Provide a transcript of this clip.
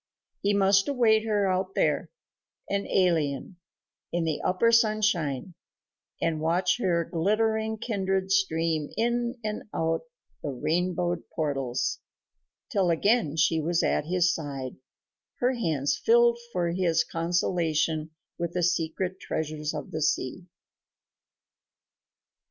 He must await her out there, an alien, in the upper sunshine, and watch her glittering kindred stream in and out the rainbowed portals till again she was at his side, her hands filled for his consolation with the secret treasures of the sea.